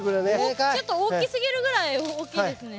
ちょっと大きすぎるぐらい大きいですね。